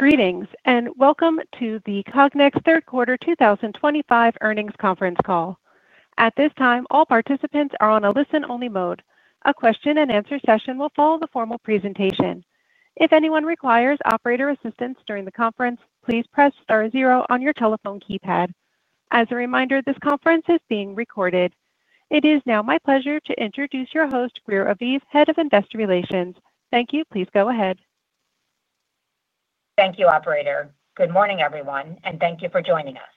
Greetings and welcome to the Cognex Corporation third quarter 2025 earnings conference call. At this time, all participants are on a listen-only mode. A question and answer session will follow the formal presentation. If anyone requires operator assistance during the conference, please press star zero on your telephone keypad. As a reminder, this conference is being recorded. It is now my pleasure to introduce your host, Greer Aviv, Head of Investor Relations. Thank you. Please go ahead. Thank you, operator. Good morning everyone and thank you for joining us.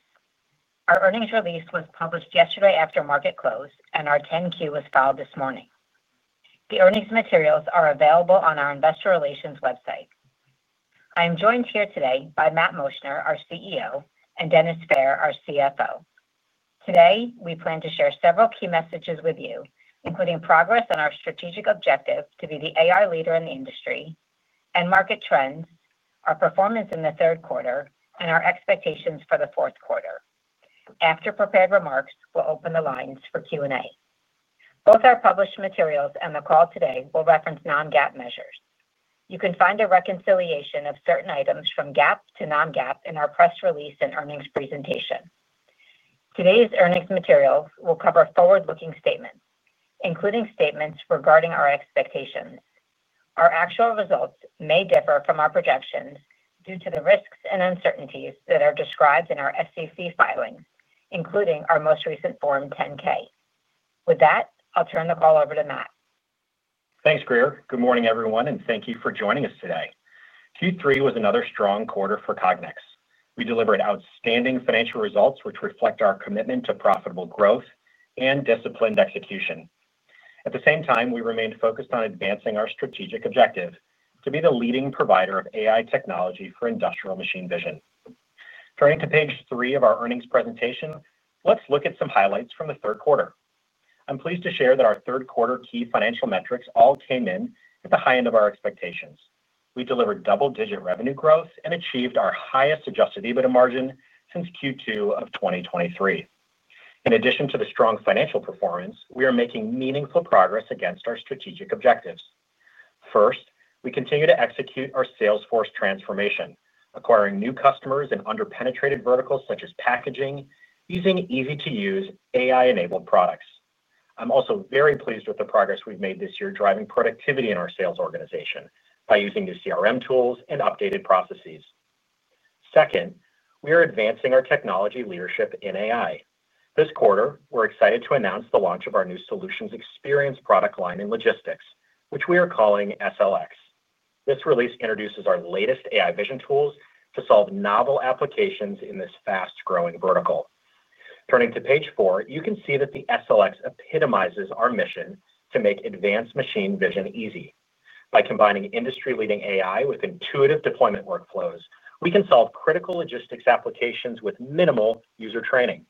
Our earnings release was published yesterday after market close and our 10-Q was filed this morning. The earnings materials are available on our investor relations website. I am joined here today by Matt Moschner, our CEO, and Dennis Fehr, our CFO. Today we plan to share several key messages with you including progress on our strategic objective to be the AI leader in the industry and market trends, our performance in the third quarter, and our expectations for the fourth quarter. After prepared remarks, we'll open the lines for Q&A. Both our published materials and the call today will reference non-GAAP measures. You can find a reconciliation of certain items from GAAP to non-GAAP in our press release and earnings presentation. Today's earnings materials will cover forward-looking statements including statements regarding our expectations. Our actual results may differ from our projections due to the risks and uncertainties that are described in our SEC filings, including our most recent Form 10-K. With that, I'll turn the call over to Matt. Thanks, Greer. Good morning, everyone, and thank you for joining us today. Q3 was another strong quarter for Cognex. We delivered outstanding financial results, which reflect our commitment to profitable growth and disciplined execution. At the same time, we remained focused on advancing our strategic objective to be the leading provider of AI technology for industrial machine vision. Turning to page three of our earnings presentation, let's look at some highlights from the third quarter. I'm pleased to share that our third quarter key financial metrics all came in at the high end of our expectations. We delivered double-digit revenue growth and achieved our highest adjusted EBITDA margin since Q2 of 2023. In addition to the strong financial performance, we are making meaningful progress against our strategic objectives. First, we continue to execute our salesforce transformation, acquiring new customers in underpenetrated verticals such as packaging using easy-to-use AI-enabled products. I'm also very pleased with the progress we've made this year driving productivity in our sales organization by using new CRM tools and updated processes. Second, we are advancing our technology leadership in AI. This quarter, we're excited to announce the launch of our new SLX (Solutions Experience) product line in logistics, which we are calling SLX. This release introduces our latest AI vision tools to solve novel applications in this fast-growing vertical. Turning to page four, you can see that the SLX epitomizes our mission to make advanced machine vision easy. By combining industry-leading AI with intuitive deployment workflows, we can solve critical logistics applications with minimal user training.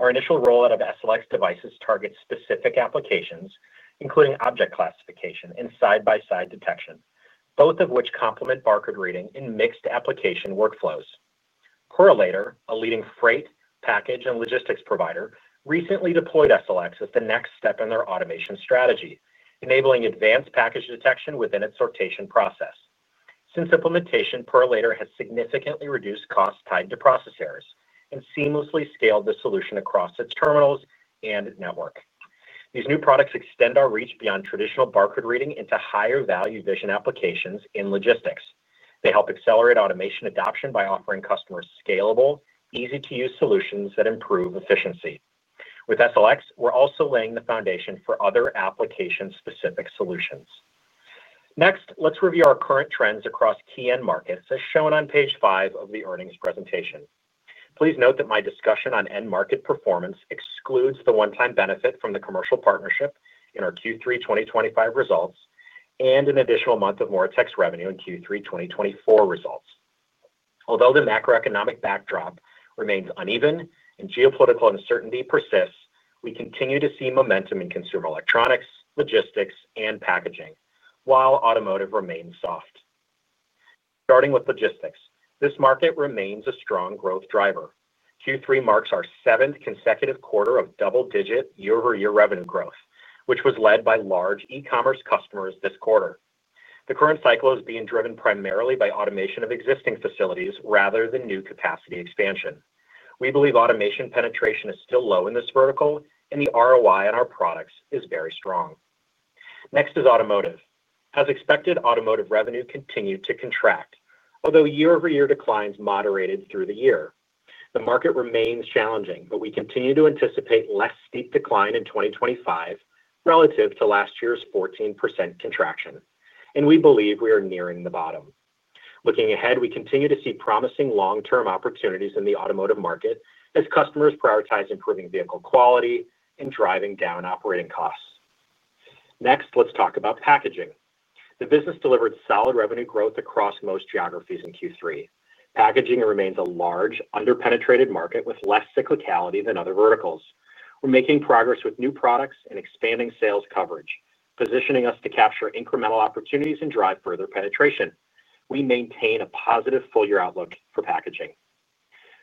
Our initial rollout of SLX devices targets specific applications including object classification and side-by-side detection, both of which complement barcode reading in mixed application workflows. Correlator, a leading freight package and logistics provider, recently deployed SLX as the next step in their automation strategy, enabling advanced package detection within its sortation process. Since implementation, Correlator has significantly reduced costs tied to process errors and seamlessly scaled the solution across its terminals and network. These new products extend our reach beyond traditional barcode reading into higher-value vision applications in logistics. They help accelerate automation adoption by offering customers scalable, easy-to-use solutions that improve efficiency. With SLX, we're also laying the foundation for other application-specific solutions. Next, let's review our current trends across key end markets as shown on Page five of the earnings presentation. Please note that my discussion on end market performance excludes the one-time benefit from the commercial partnership in medical automation in our Q3 2025 results and an additional month of Moratex revenue in Q3 2024 results. Although the macroeconomic backdrop remains uneven and geopolitical uncertainty persists, we continue to see momentum in consumer electronics, logistics, and packaging, while automotive remains soft. Starting with logistics, this market remains a strong growth driver. Q3 marks our seventh consecutive quarter of double-digit year-over-year revenue growth, which was led by large e-commerce customers this quarter. The current cycle is being driven primarily by automation of existing facilities rather than new capacity expansion. We believe automation penetration is still low in this vertical and the ROI on our products is very strong. Next is automotive. As expected, automotive revenue continued to contract, although year-over-year declines moderated through the year. The market remains challenging, but we continue to anticipate less steep decline in 2025 relative to last year's 14% contraction, and we believe we are nearing the bottom. Looking ahead, we continue to see promising long-term opportunities in the automotive market as customers prioritize improving vehicle quality and driving down operating costs. Next, let's talk about packaging. The business delivered solid revenue growth across most geographies in Q3. Packaging remains a large underpenetrated market with less cyclicality than other verticals. We're making progress with new products and expanding sales coverage, positioning us to capture incremental opportunities and drive further penetration. We maintain a positive full-year outlook for packaging.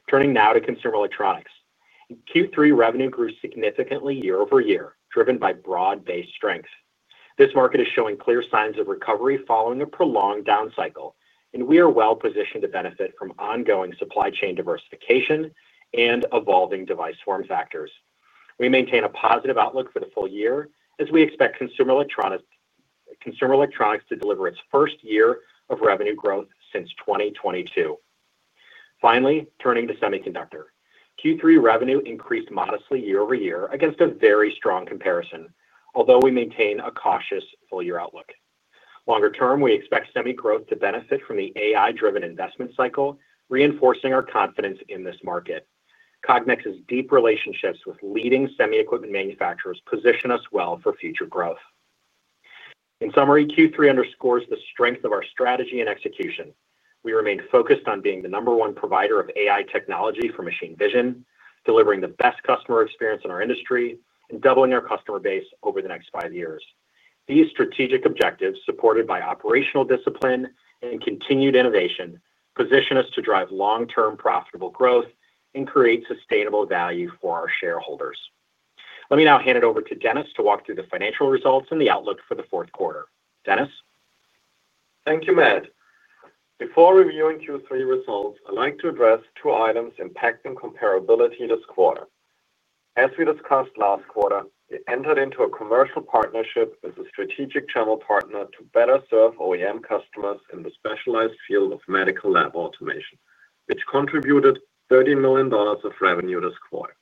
Turning now to consumer electronics, Q3 revenue grew significantly year-over-year, driven by broad-based strength. This market is showing clear signs of recovery following a prolonged down cycle, and we are well positioned to benefit from ongoing supply chain diversification and evolving device form factors. We maintain a positive outlook for the full year as we expect consumer electronics to deliver its first year of revenue growth since 2022. Finally, turning to semiconductor, Q3 revenue increased modestly year-over-year against a very strong comparison. Although we maintain a cautious full year outlook, longer term we expect semi growth to benefit from the AI driven investment cycle, reinforcing our confidence in this market. Cognex's deep relationships with leading semi equipment manufacturers position us well for future growth. In summary, Q3 underscores the strength of our strategy and execution. We remain focused on being the number one provider of AI technology for machine vision, delivering the best customer experience in our industry, and doubling our customer base over the next five years. These strategic objectives, supported by operational discipline and continued innovation, position us to drive long term profitable growth and create sustainable value for our shareholders. Let me now hand it over to Dennis to walk through the financial results and the outlook for the fourth quarter. Dennis, thank you, Matt. Before reviewing Q3 results, I'd like to address two items impacting comparability this quarter. As we discussed last quarter, we entered into a commercial partnership with a strategic channel partner to better serve OEM customers in the specialized field of medical automation, which contributed $30 million of revenue this quarter.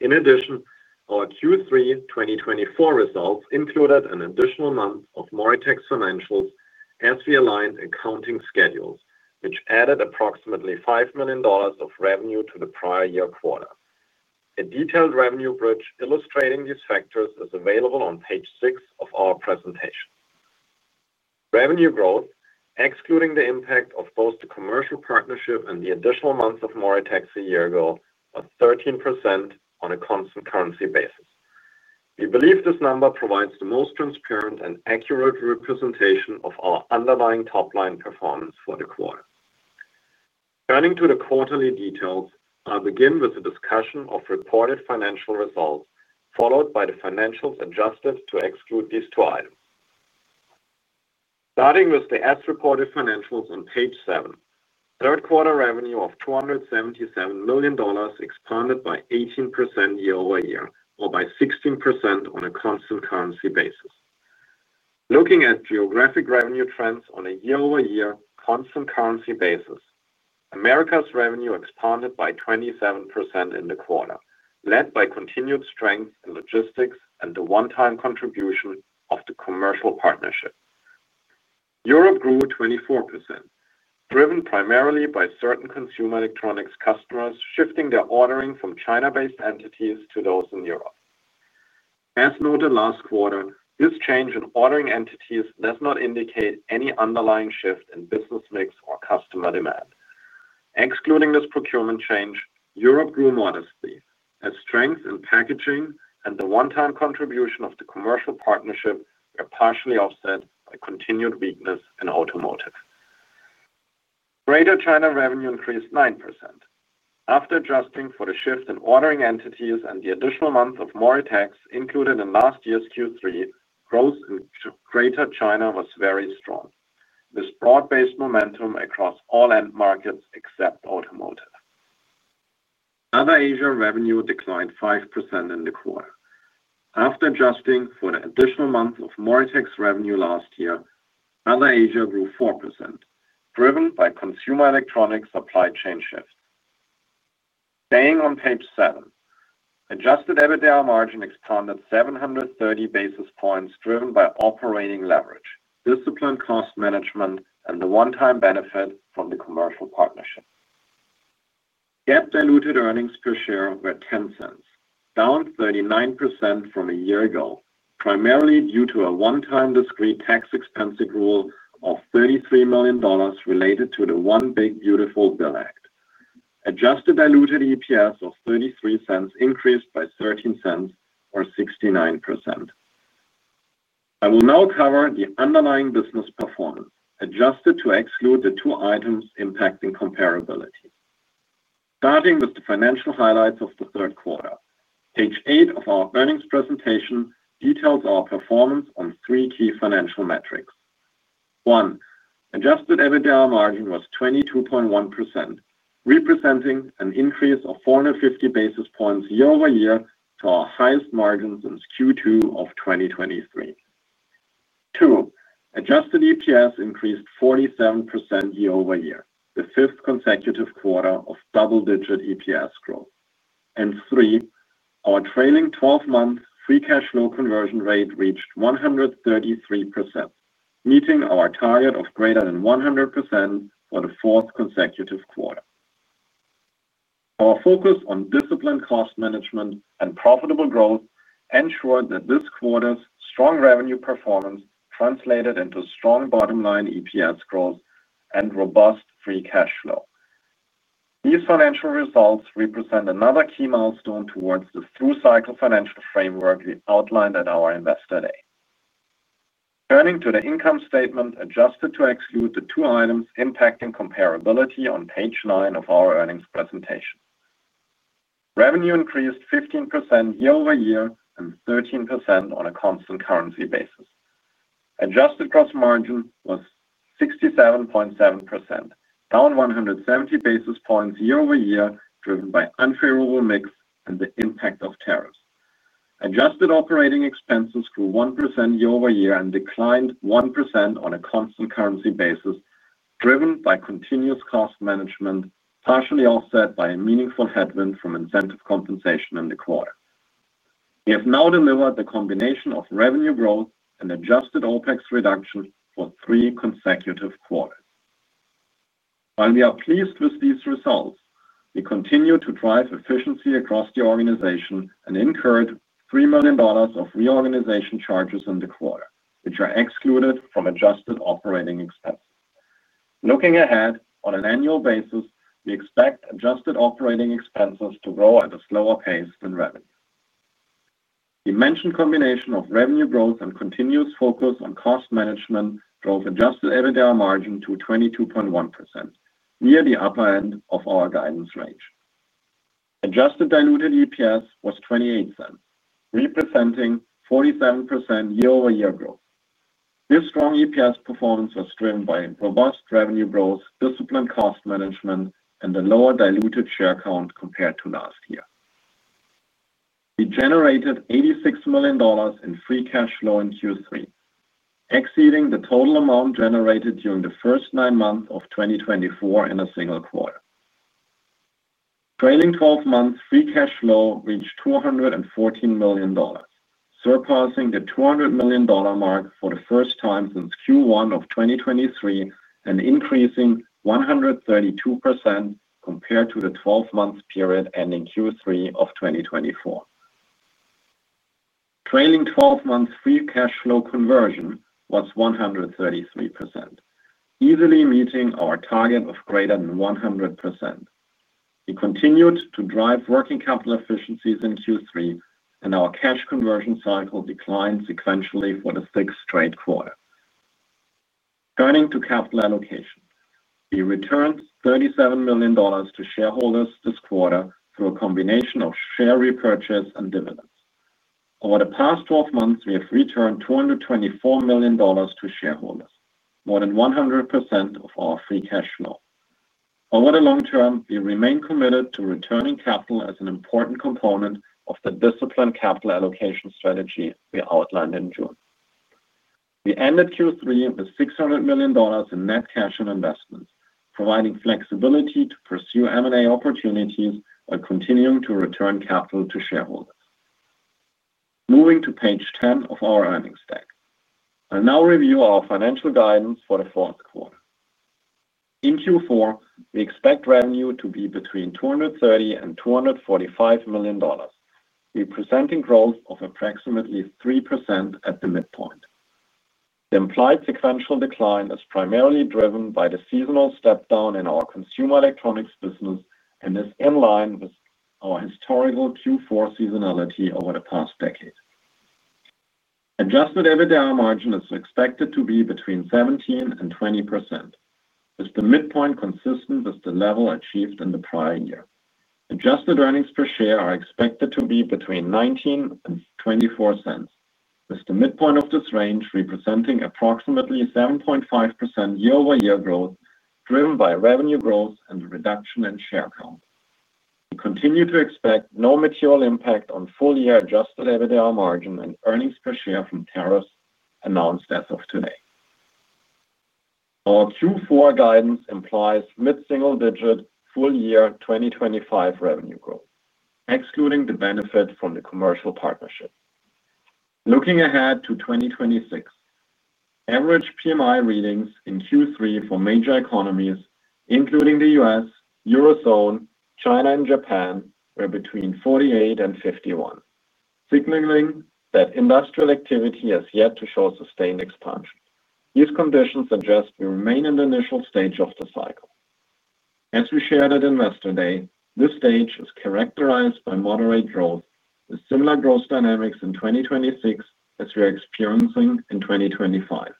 In addition, our Q3 2024 results included an additional month of Moratex financials as we aligned accounting schedules, which added approximately $5 million of revenue to the prior year quarter. A detailed revenue bridge illustrating these factors is available on page six of our presentation. Revenue growth excluding the impact of both the commercial partnership and the additional month of Moratex a year ago of 13% on a constant currency basis, we believe this number provides the most transparent and accurate representation of our underlying top line performance for the quarter. Turning to the quarterly details, I'll begin with a discussion of reported financial results followed by the financials adjusted to exclude these two items. Starting with the as reported financials on Page seven, third quarter revenue of $277 million expanded by 18% year-over-year or by 16% on a constant currency basis. Looking at geographic revenue trends on a year-over-year constant currency basis, Americas revenue expanded by 27% in the quarter, led by continued strength in logistics and the one-time contribution of the commercial partnership. Europe grew 24%, driven primarily by certain consumer electronics customers shifting their ordering from China-based entities to those in Europe. As noted last quarter, this change in ordering entities does not indicate any underlying shift in business mix or customer demand. Excluding this procurement change, Europe grew modestly as strength in packaging and the one-time contribution of the commercial partnership were partially offset by continued weakness in automotive. Greater China revenue increased 9% after adjusting for the shift in ordering entities and the additional month of Moratex included in last year's Q3. Growth in Greater China was very strong. This broad-based momentum across all end markets except automotive. Other Asia revenue declined 5% in the quarter after adjusting for the additional month of Moratex revenue last year. Other Asia grew 4% driven by consumer electronics supply chain shift. Staying on Page seven, adjusted EBITDA margin expanded 730 basis points driven by operating leverage, disciplined cost management, and the one-time benefit from the commercial partnership. GAAP diluted earnings per share were $0.10, down 39% from a year ago, primarily due to a one-time discrete tax expensing rule of $33 million related to the One Big Beautiful Bill Act. Adjusted diluted EPS of $0.33 increased by $0.13 or 69%. I will now cover the underlying business performance adjusted to exclude the two items impacting comparability, starting with the financial highlights of the third quarter. Page eight of our earnings presentation details our performance on three key financial metrics. One, adjusted EBITDA margin was 22.1%, representing an increase of 450 basis points year-over-year to our highest margin since Q2 of 2023. Two, adjusted EPS increased 47% year-over-year, the fifth consecutive quarter of double-digit EPS growth. Three, our trailing twelve-month free cash flow conversion rate reached 133%, meeting our target of greater than 100% for the fourth consecutive quarter. Our focus on disciplined cost management and profitable growth ensured that this quarter's strong revenue performance translated into strong bottom line EPS growth and robust free cash flow. These financial results represent another key milestone towards the through-cycle financial framework we outlined at our investor day. Turning to the income statement adjusted to exclude the two items impacting comparability, on Page nine of our earnings presentation, revenue increased 15% year-over-year and 13% on a constant currency basis. Adjusted gross margin was 67.7%, down 170 basis points year-over-year, driven by unfavorable mix and the impact of tariffs. Adjusted operating expenses grew 1% year-over-year and declined 1% on a constant currency basis, driven by continuous cost management, partially offset by a meaningful headwind from incentive compensation in the quarter. We have now delivered the combination of revenue growth and adjusted OpEx reduction for three consecutive quarters. While we are pleased with these results, we continue to drive efficiency across the organization and incurred $3 million of reorganization charges in the quarter, which are excluded from adjusted operating expenses. Looking ahead on an annual basis, we expect adjusted operating expenses to grow at a slower pace than revenue. The mentioned combination of revenue growth and continuous focus on cost management drove adjusted EBITDA margin to 22.1%, near the upper end of our guidance range. Adjusted diluted EPS was $0.28, representing 47% year-over-year growth. This strong EPS performance was driven by robust revenue growth, disciplined cost management, and the lower diluted share count compared to last year. We generated $86 million in free cash flow in Q3, exceeding the total amount generated during the first nine months of 2024. In a single quarter trailing 12 months, free cash flow reached $214 million, surpassing the $200 million mark for the first time since Q1 of 2023 and increasing 132% compared to the 12 month period ending Q3 of 2024. Trailing 12 months, free cash flow conversion was 133%, easily meeting our target of greater than 100%. We continued to drive working capital efficiencies in Q3, and our cash conversion cycle declined sequentially for the sixth straight quarter. Turning to capital allocation, we returned $37 million to shareholders this quarter through a combination of share repurchase and dividends. Over the past 12 months, we have returned $224 million to shareholders, more than 100% of our free cash flow. Over the long term, we remain committed to returning capital as an important component of the disciplined capital allocation strategy we outlined in June. We ended Q3 with $600 million in net cash and investments, providing flexibility to pursue M&A opportunities while continuing to return capital to shareholders. Moving to Page 10 of our earnings deck, I'll now review our financial guidance for the fourth quarter. In Q4, we expect revenue to be between $230 million and $245 million, representing growth of approximately 3% at the midpoint. The implied sequential decline is primarily driven by the seasonal step down in our consumer electronics business and is in line with our historical Q4 seasonality over the past decade. Adjusted EBITDA margin is expected to be between 17% and 20%, with the midpoint consistent with the level achieved in the prior year. Adjusted earnings per share are expected to be between $0.19 and $0.24, with the midpoint of this range representing approximately 7.5% year-over-year growth driven by revenue growth and reduction in share count. We continue to expect no material impact on full year adjusted EBITDA margin and earnings per share from tariffs announced as of today. Our Q4 guidance implies mid single digit full year 2025 revenue growth excluding the benefit from the commercial partnership. Looking ahead to 2026, average PMI readings in Q3 for major economies including the U.S., Eurozone, China, and Japan were between 48 and 51, signaling that industrial activity has yet to show sustained expansion. These conditions suggest we remain in the initial stage of the cycle as we shared at Investor Day. This stage is characterized by moderate growth with similar growth dynamics in 2026 as we are experiencing in 2025,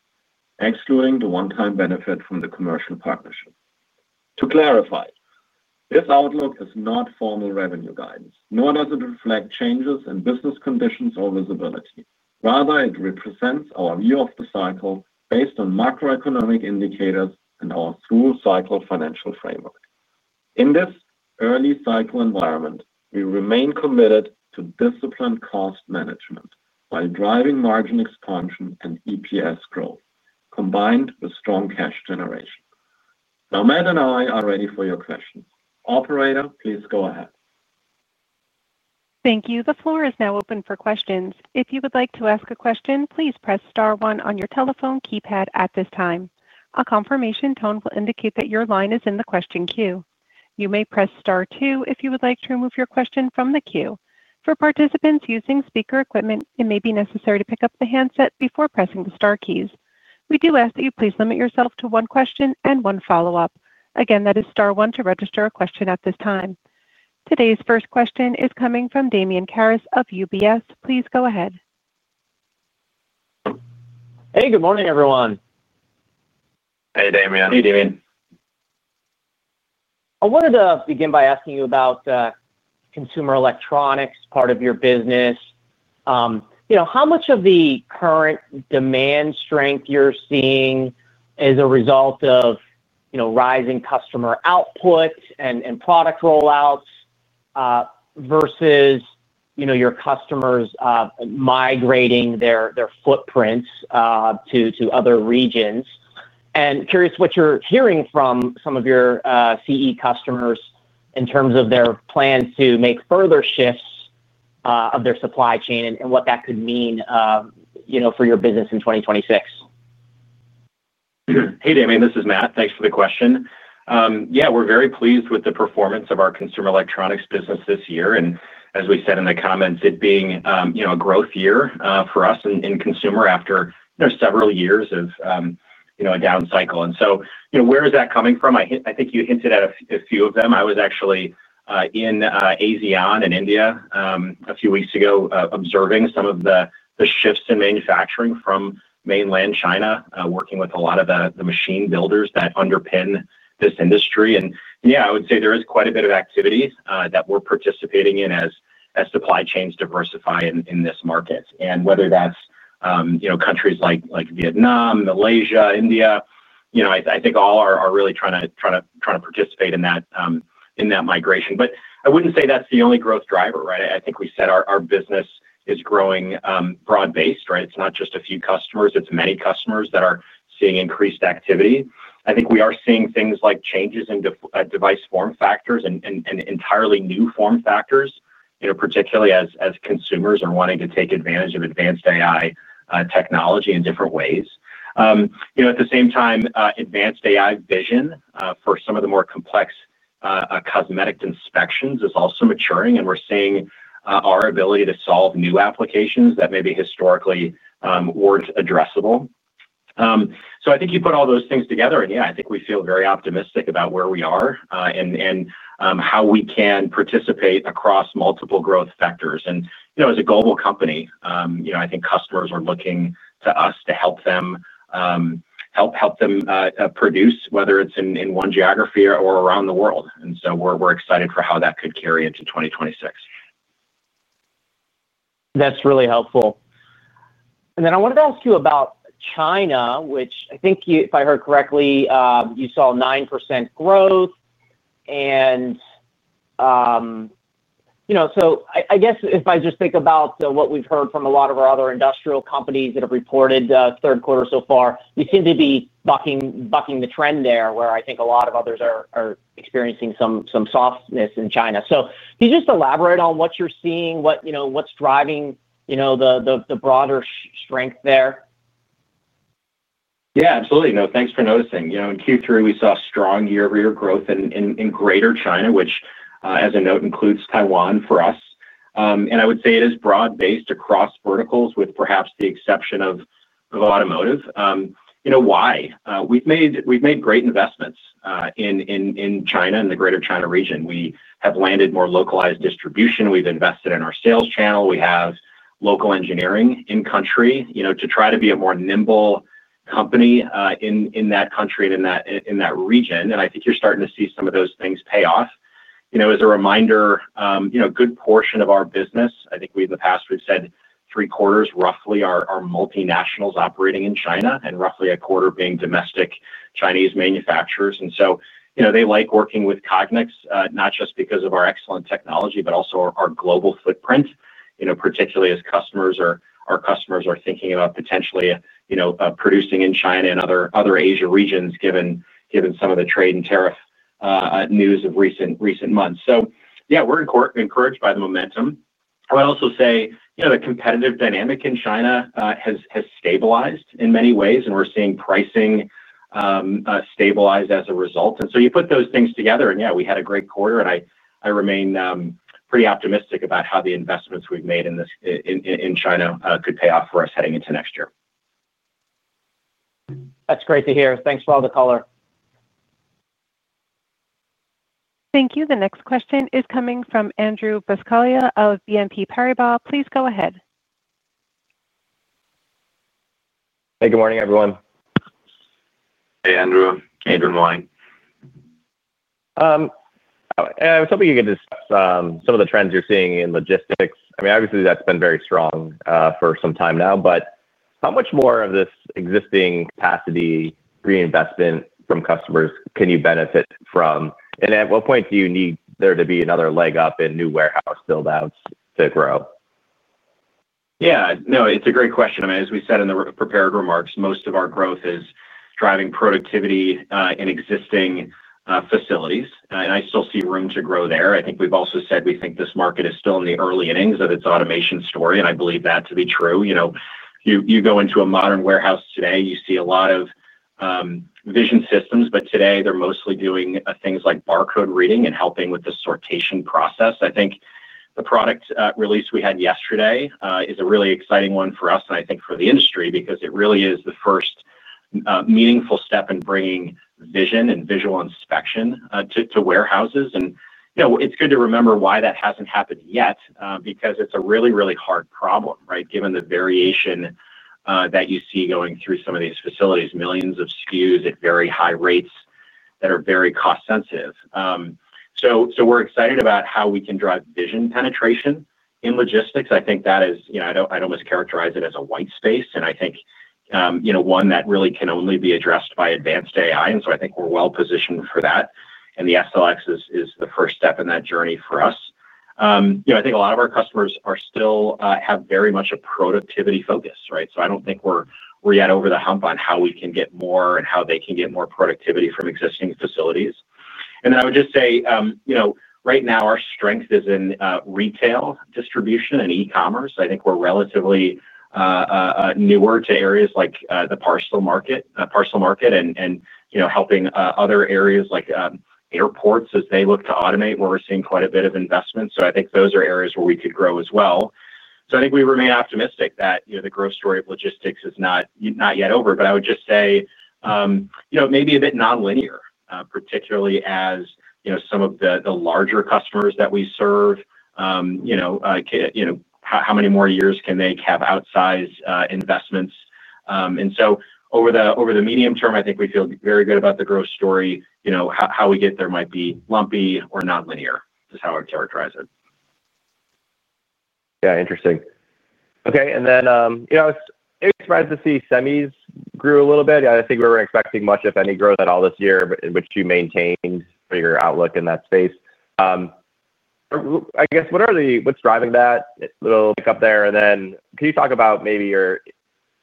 excluding the one time benefit from the commercial partnership. To clarify, this outlook is not formal revenue guidance nor does it reflect changes in business conditions or visibility. Rather, it represents our view of the cycle based on macroeconomic indicators and our full cycle financial framework. In this early cycle environment, we remain committed to disciplined cost management by driving margin expansion and EPS growth combined with strong cash generation. Now, Matt and I are ready for your questions. Operator, please go ahead. Thank you. The floor is now open for questions. If you would like to ask a question, please press star one on your telephone keypad at this time. A confirmation tone will indicate that your line is in the question queue. You may press star two if you would like to remove your question from the queue. For participants using speaker equipment, it may be necessary to pick up the handset before pressing the star keys. We do ask that you please limit yourself to one question and one follow up. Again, that is star one to register a question at this time. Today's first question is coming from Damian Karas of UBS. Please go ahead. Hey, good morning everyone. Hey Damian. Hey Damian. I wanted to begin by asking you about consumer electronics part of your business. How much of the current demand strength you're seeing is a result of rising customer output and product rollouts versus your customers migrating their footprint to other regions? I'm curious what you're hearing from some of your CE customers in terms of their plans to make further shifts of their supply chain and what that could mean for your business in 2026. Hey Damian, this is Matt. Thanks for the question. We're very pleased with the performance of our consumer electronics business this year and as we said in the comments, it being a growth year for us in consumer after several years of a down cycle. Where is that coming from? I think you hinted at a few of them. I was actually in ASEAN and India a few weeks ago, observing some of the shifts in manufacturing from mainland China, working with a lot of the machine builders that underpin this industry. I would say there is quite a bit of activity that we're participating in as supply chains diversify in this market. Whether that's countries like Vietnam, Malaysia, India, I think all are really trying to participate in that migration. I wouldn't say that's the only growth driver. I think we said our business is growing broad based. It's not just a few customers, it's many customers that are seeing increased activity. I think we are seeing things like changes in device form factors and entirely new form factors, particularly as consumers are wanting to take advantage of advanced AI technology in different ways at the same time. Advanced AI vision for some of the more complex cosmetic inspections is also maturing and we're seeing our ability to solve new applications that maybe historically weren't addressable. I think you put all those things together and I think we feel very optimistic about where we are and how we can participate across multiple growth factors. As a global company, I think customers are looking to us to help them produce, whether it's in one geography or around the world. We're excited for how that could carry into 2026. That's really helpful. I wanted to ask you about China, which I think if I heard correctly, you saw 9% growth. And. You know, if I just think about what we've heard from a lot of our other industrial companies that have reported third quarter so far, we seem to be bucking the trend there where I think a lot of others are experiencing some softness in China. Can you just elaborate on what you're seeing, what's driving the broader strength there? Yeah, absolutely. Thanks for noticing. In Q3 we saw strong year-over-year growth in Greater China, which, as a note, includes Taiwan for us. I would say it is broad-based across verticals with perhaps the exception of automotive. We've made great investments in China and the Greater China region. We have landed more localized distribution. We've invested in our sales channel. We have local engineering in country to try to be a more nimble company in that country and in that region. I think you're starting to see some of those things pay off. As a reminder, a good portion of our business, I think in the past we've said roughly three-quarters are multinationals operating in China and roughly a quarter being domestic Chinese manufacturers. They like working with Cognex, not just because of our excellent technology but also our global footprint, particularly as customers are thinking about potentially producing in China and other Asia regions given some of the trade and tariff news of recent months. We're encouraged by the momentum. I would also say the competitive dynamic in China has stabilized in many ways and we're seeing pricing stabilize as a result. You put those things together and we had a great quarter. I remain pretty optimistic about how the investments we've made in China could pay off for us heading into next year. That's great to hear. Thanks for all the color. Thank you. The next question is coming from Andrew Buscaglia of BNP Paribas. Please go ahead. Hey, good morning everyone. Hey Andrew, good morning. I was hoping you could discuss some of the trends you're seeing in logistics. I mean, obviously that's been very strong for some time now, but how much more of this existing capacity reinvestment from customers can you benefit from? At what point do you need there to be another leg up in new warehouse build outs to grow? Yeah, it's a great question. As we said in the prepared remarks, most of our growth is driving productivity in existing facilities and I still see room to grow there. I think we've also said we think this market is still in the early innings of its automation story. I believe that too. You go into a modern warehouse today, you see a lot of vision systems, but today they're mostly doing things like barcode reading and helping with the sortation process. I think the product release we had yesterday is a really exciting one for us and I think for the industry because it really is the first meaningful step in bringing vision and visual inspection to warehouses. It's good to remember why that hasn't happened yet, because it's a really, really hard problem, right, given the variation that you see going through some of these facilities. Millions of SKUs at very high rates that are very cost sensitive. We're excited about how we can drive vision penetration in logistics. I think that is, you know, I don't mischaracterize it as a white space and I think one that really can only be addressed by advanced AI. I think we're well positioned for that and the SLX is the first step in that journey for us. I think a lot of our customers still have very much a productivity focus, right. I don't think we're yet over the hump on how we can get more and how they can get more productivity from existing facilities. I would just say right now our strength is in retail, distribution and e-commerce. I think we're relatively newer to areas like the parcel market and helping other areas like airports as they look to automate where we're seeing quite a bit of investment. I think those are areas where we could grow as well. I think we remain optimistic that the growth story of logistics is not yet over. I would just say maybe a bit nonlinear, particularly as some of the larger customers that we serve, how many more years can they have outsized investments? Over the medium term, I think we feel very good about the growth story. How we get there might be lumpy or nonlinear is how I characterize it. Interesting. Okay. It's a surprise to see semis grew a little bit. I think we weren't expecting much, if any, growth at all this year, which you maintained your outlook in that space, I guess. What's driving that little pick up there? Can you talk about maybe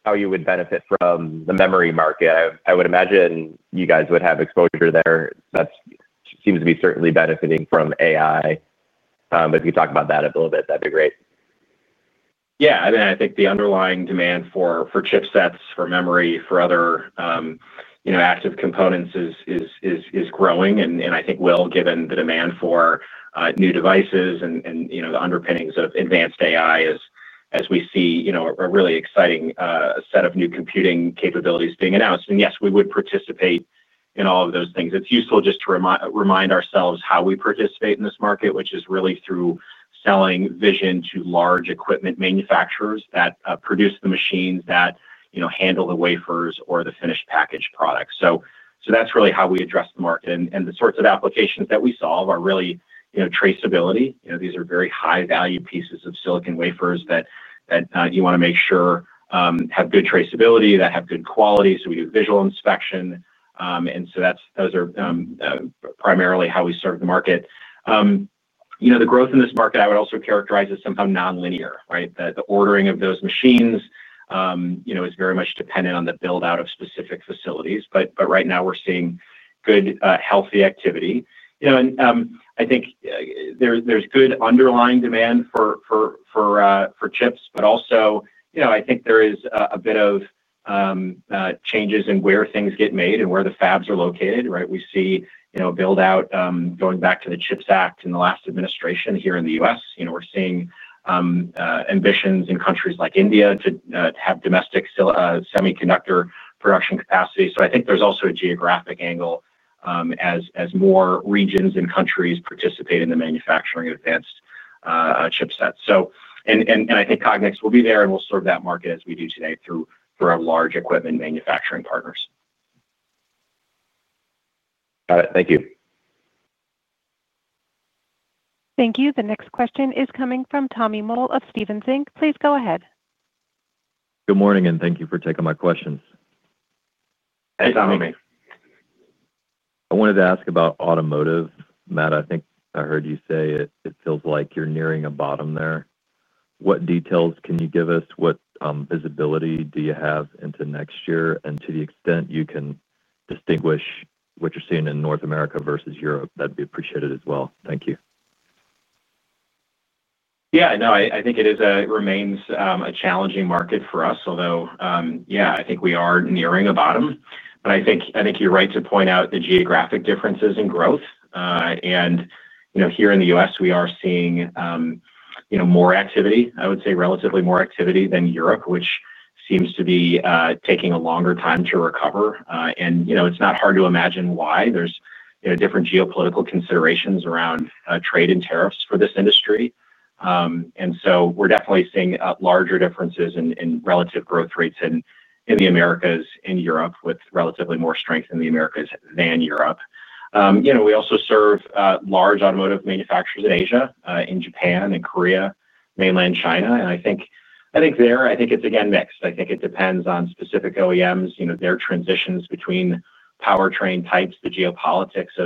how you would benefit from the memory market? I would imagine you guys would have exposure there that seems to be certainly benefiting from AI, but if you talk about that a little bit, that'd be great. I think the underlying demand for chipsets, for memory, for other active components is growing and I think will, given the demand for new devices and the underpinnings of advanced AI, as we see a really exciting set of new computing capabilities being announced. Yes, we would participate in all of those things. It's useful just to remind ourselves how we participate in this market, which is really through selling vision to large equipment manufacturers that produce the machines that handle the wafers or the finished packaged products. That's really how we address the market. The sorts of applications that we solve are really traceability. These are very high value pieces of silicon wafers that you want to make sure have good traceability, that have good quality. We do visual inspection. Those are primarily how we serve the market. The growth in this market I would also characterize as somehow nonlinear. Right. The ordering of those machines is very much dependent on the build out of specific facilities. Right now we're seeing good, healthy activity. I think there's good underlying demand for chips. I think there is a bit of changes in where things get made and where the fabs are located. We see build out going back to the Chips Act in the last administration here in the U.S. We're seeing ambitions in countries like India to have domestic semiconductor production capacity. I think there's also a geographic angle as more regions and countries participate in the manufacturing of advanced chipsets. I think Cognex will be there and we'll serve that market as we do today through our large equipment manufacturing partners. Got it. Thank you. Thank you. The next question is coming from Tommy Moll of Stephens Inc. Please go ahead. Good morning and thank you for taking my questions. I wanted to ask about automotive. Matt, I think I heard you say it feels like you're nearing a bottom there. What details can you give us? What visibility do you have into next year? To the extent you can distinguish. What you're seeing in North America versus Europe, that'd be appreciated as well. Thank you. Yeah, no, I think it remains a challenging market for us, although I think we are nearing a bottom. I think you're right to point out the geographic differences in growth. You know, here in the U.S. we are seeing more activity, I would say relatively more activity than Europe, which seems to be taking a longer time to recover. It's not hard to imagine why there's different geopolitical considerations around trade and tariffs for this industry. We're definitely seeing larger differences in relative growth rates in the Americas and Europe, with relatively more strength in the Americas than Europe. We also serve large automotive manufacturers in Asia, in Japan and Korea, mainland China. I think there, I think it's again, mixed. I think it depends on specific OEMs, their transitions between powertrain types, the geopolitics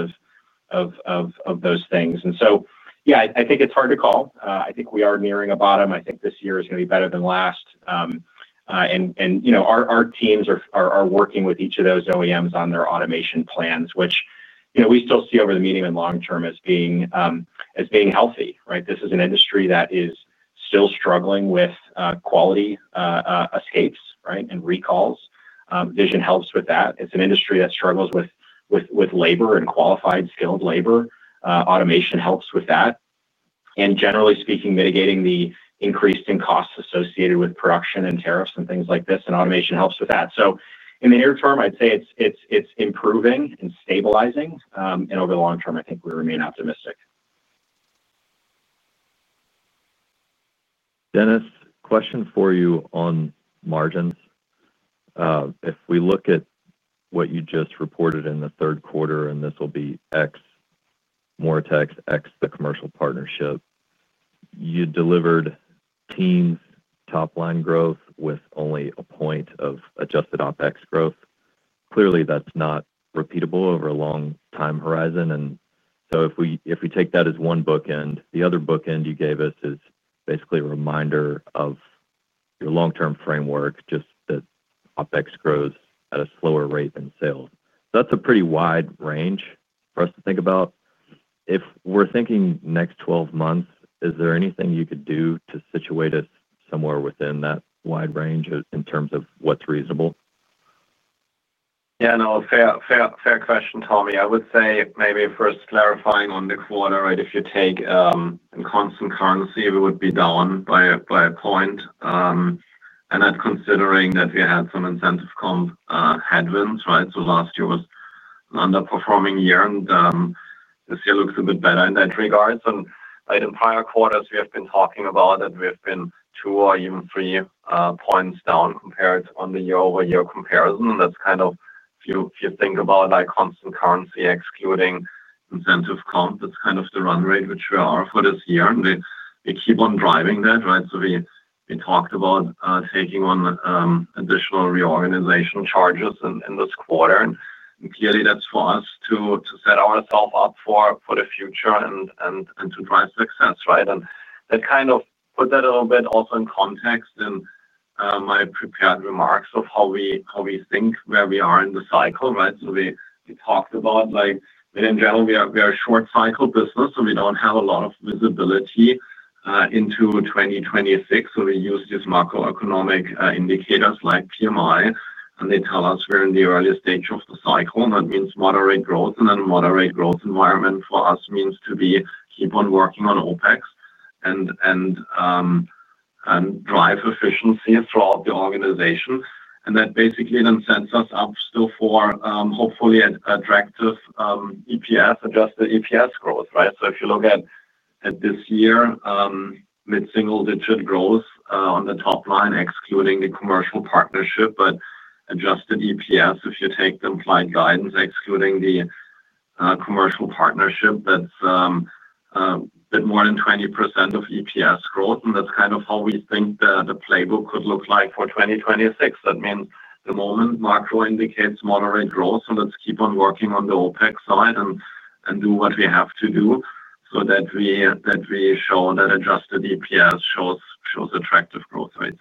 of those things. I think it's hard to call. I think we are nearing a bottom. I think this year is going to be better than last year. Our teams are working with each of those OEMs on their automation plans, which we still see over the medium and long term as being healthy. This is an industry that is still struggling with quality escapes and recalls. Vision helps with that. It's an industry that struggles with labor and qualified skilled labor. Automation helps with that. Generally speaking, mitigating the increase in costs associated with production and tariffs and things like this, automation helps with that. In the near term I'd say it's improving and stabilizing and over the long term I think we remain optimistic. Dennis, question for you on margins, if we look at what you just reported in the third quarter and this will be X Moratex X the commercial partnership, you delivered teams top line growth with only a point of adjusted OpEx growth. Clearly that's not repeatable over a long time horizon. If we take that as one bookend, the other bookend you gave us is basically a reminder of your long-term framework. Just that OpEx grows at a slower rate than sales. That's a pretty wide range for us to think about. If we're thinking next 12 months, is there anything you could do to situate us somewhere within that wide range in terms of what's reasonable? Yeah, no. Fair question, Tommy. I would say maybe first clarifying on the quarter, if you take in constant currency we would be down by a point. Then considering that we had some incentive comp headwinds. Last year was underperforming year and this year looks a bit better in that regard. In prior quarters we have been talking about that we have been two or even three points down compared on the year-over-year comparison. That's kind of if you think about constant currency excluding incentive comp, that's kind of the run rate which we are for this year and we keep on driving that. Right. We talked about taking on additional reorganization charges in this quarter and clearly that's for us to set ourselves up for the future and to drive success. That kind of put that a little bit also in context in my prepared remarks of how we think where we are in the cycle. We talked about like in general we are a short cycle business, so we don't have a lot of visibility into 2026. We use these macroeconomic indicators like PMI and they tell us we're in the early stage of the cycle. That means moderate growth and then a moderate growth environment for us means to be keep on working on OpEx and drive efficiency throughout the organization. That basically then sets us up still for hopefully attractive EPS, adjusted EPS growth. If you look at this year, mid single digit growth on the top line excluding the commercial partnership, but adjusted EPS, if you take the implied guidance, excluding the commercial partnership, that's more than 20% of EPS growth. That's kind of how we think the playbook could look like for 2026. That means the moment macro indicates moderate growth. Let's keep on working on the OpEx side and do what we have to do so that we show that adjusted EPS shows attractive growth rates.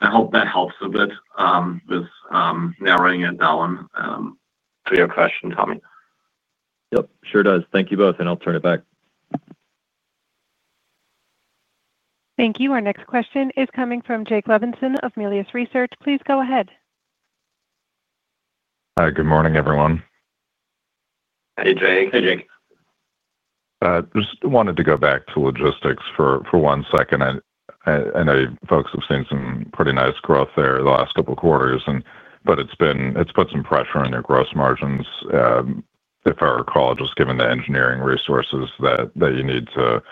I hope that helps a bit with narrowing it down to your question, Tommy. Yep, sure does. Thank you both, and I'll turn it back. Thank you. Our next question is coming from Jake Levinson of Melius Research. Please go ahead. Hi, good morning everyone. Hi, Jake. Hey Jake. Just wanted to go back to logistics for one second. I know folks have seen some pretty. Nice growth there the last couple of quarters, and it's put some pressure on your gross margins, if I recall, just given the engineering resources that you. Need to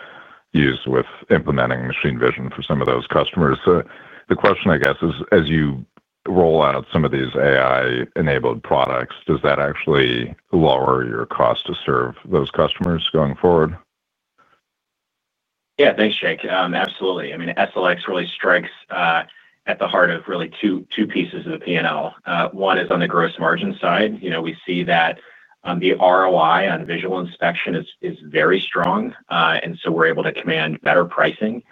use with implementing machine vision. For some of those customers. The question I guess is as you roll out some of these AI enabled products, does that actually lower your cost to serve those customers going forward? Yeah. Thanks, Jake. Absolutely. I mean, SLX really strikes at the heart of really two pieces of the P&L. One is on the gross margin side. We see that the ROI on visual inspection is very strong, and we're able to command better pricing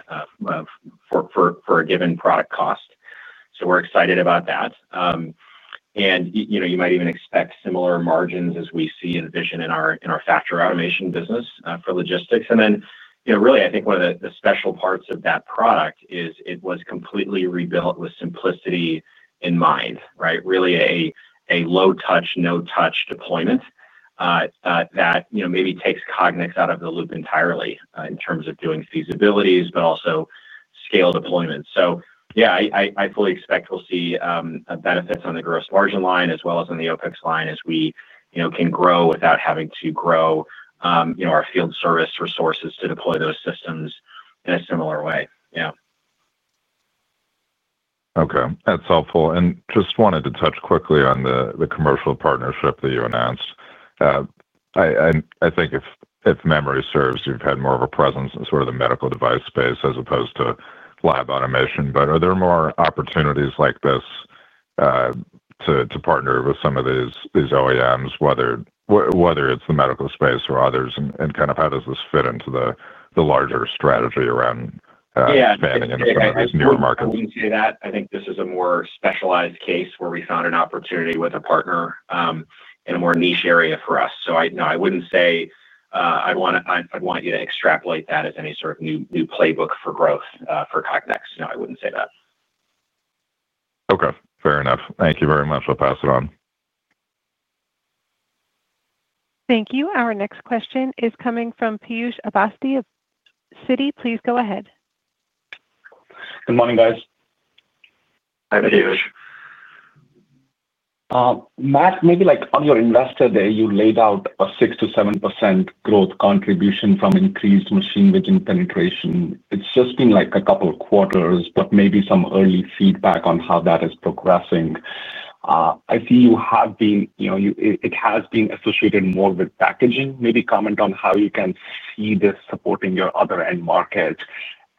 for a given product cost. We're excited about that. You might even expect similar margins as we see in vision in our factory automation business for logistics. I think one of the special parts of that product is it was completely rebuilt with simplicity in mind. Really a low touch, no touch deployment that maybe takes Cognex out of the loop entirely in terms of doing feasibilities but also scale deployment. I fully expect we'll see benefits on the gross margin line as well as on the OpEx line as we can grow without having to grow our field service resources to deploy those systems in a similar way. Okay, that's helpful. I just wanted to touch quickly on the commercial partnership that you announced. I think if memory serves, you've had more of a presence in sort of the medical device space as opposed to lab automation. Are there more opportunities like this to partner with some of these OEMs, whether it's the medical space or others, and how does this fit into the larger strategy around expanding into some of these newer markets? I think this is a more specialized case where we found an opportunity with a partner in a more niche area for us. I wouldn't say I'd want you to extrapolate that as any sort of new playbook for growth for Cognex. No, I wouldn't say that. Okay, fair enough. Thank you very much. I'll pass it on. Thank you. Our next question is coming from Piyush Avasthy at Citi. Please go ahead. Good morning, guys. Matt, maybe like on your investor day you laid out a 6 to 7% growth contribution from increased machine vision penetration. It's just been like a couple of quarters, but maybe some early feedback on. How that is progressing. You have been, you know, it. Has been associated more with packaging. Maybe comment on how you can see this supporting your other end market,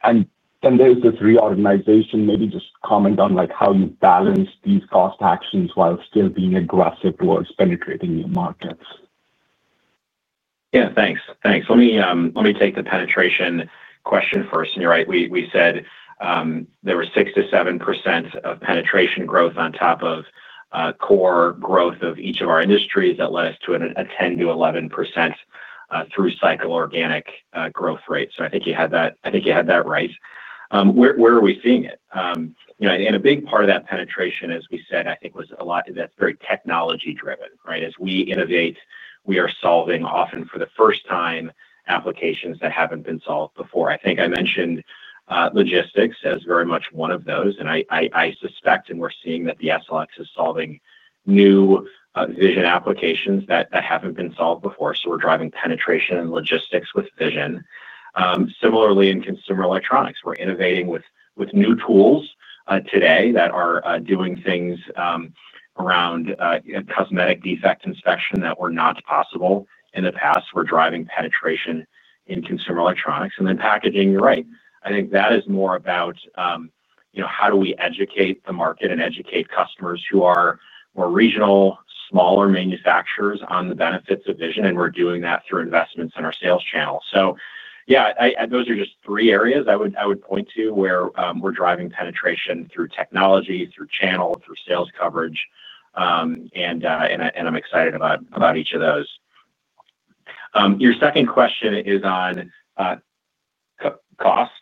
and then there's this reorganization. Maybe just comment on how you balance these cost actions while still being aggressive towards penetrating new markets. Yeah, thanks. Thanks. Let me take the penetration question first. You're right, we said there were 6% to 7% of penetration growth on top of core growth of each of our industries that led us to a 10% to 11% through cycle organic growth rate. I think you had that right. Where are we seeing it? A big part of that penetration, as we said, was a lot that's very technology driven. As we innovate, we are solving often for the first time applications that haven't been solved before. I think I mentioned logistics as very much one of those. I suspect and we're seeing that the SLX is solving new vision applications that haven't been solved before. We're driving penetration in logistics with vision. Similarly, in consumer electronics, we're innovating with new tools today that are doing things around cosmetic defect inspection that were not possible in the past. We're driving penetration in consumer electronics and then packaging. You're right. I think that is more about how do we educate the market and educate customers who are more regional, smaller manufacturers on the benefits of vision. We're doing that through investments in our sales channel. Those are just three areas I would point to where we're driving penetration through technology, through channel, through sales coverage. I'm excited about each of those. Your second question is on cost